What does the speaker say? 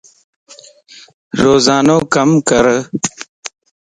روزانو ڪم ڪر